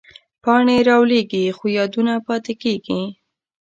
پاڼې رالوېږي، خو یادونه پاتې کېږي